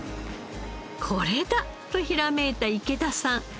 これだ！とひらめいた池田さん。